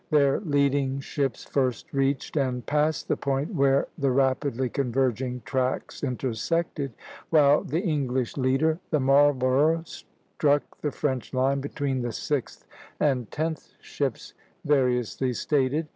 B). Their leading ships first reached and passed the point where the rapidly converging tracks intersected, while the English leader, the "Marlborough," struck the French line between the sixth and tenth ships (variously stated).